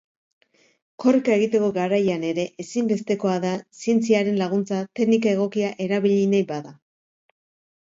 Korrika egiteko garaian ere ezinbestekoa da zientziaren laguntza teknika egokia erabili nahi bada.